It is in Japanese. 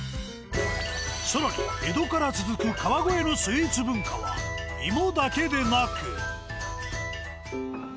更に江戸から続く川越のスイーツ文化はいもだけでなく。